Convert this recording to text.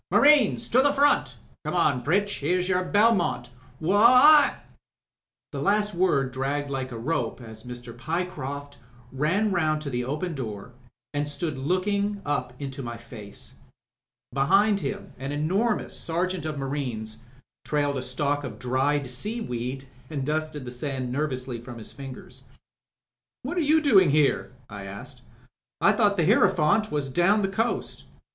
Marines to the front I Come on, Pritch. Here's your Belmont. Wha — i —''" MRS, BATHtJRST 315 The last word dragged like a rope as Mr. Pyecroft ran round to the open door, and stood looking up into my face. Behind him an enorfcaous Sergeant of Marines trailed a stalk of dried seaweed, ^nd dusted the sand nervously from his fingers. "What are you doing here?" I asked. "I thought the Hierophant was down the coast?"